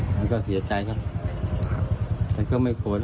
มันก็เสียใจครับแต่ก็ไม่โกรธล่ะ